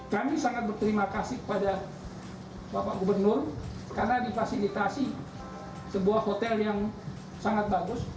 kami sangat berterima kasih kepada bapak gubernur karena difasilitasi sebuah hotel yang sangat bagus